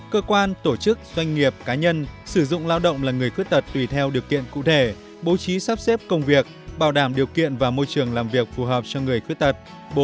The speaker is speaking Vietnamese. hai cơ quan tổ chức doanh nghiệp cá nhân sử dụng lao động là người khuyết tật tùy theo điều kiện cụ thể bố trí sắp xếp công việc bảo đảm điều kiện và môi trường làm việc phù hợp cho người khuyết tật